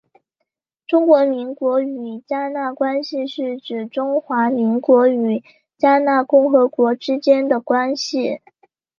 中华民国与迦纳关系是指中华民国与迦纳共和国之间的关系。